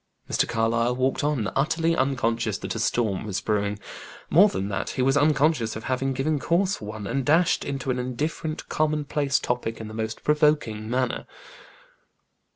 Mr. Carlyle walked on, utterly unconscious that a storm was brewing. More than that, he was unconscious of having given cause for one, and dashed into an indifferent, common place topic in the most provoking manner.